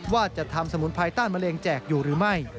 ว่าจะทำสมุนไพรต้านมะเร็งแจกอยู่หรือไม่